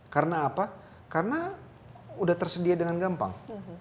karena apa karena sudah tersedia dengan gampang